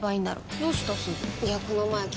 どうしたすず？